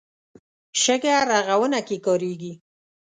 شګه رغونه کې کارېږي.